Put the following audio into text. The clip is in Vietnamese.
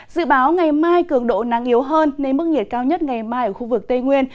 dự báo ngày mai cường độ nắng yếu hơn nên mức nhiệt cao nhất ngày mai ở khu vực tây nguyên